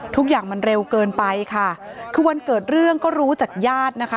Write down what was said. ทุกอย่างมันเร็วเกินไปค่ะคือวันเกิดเรื่องก็รู้จากญาตินะคะ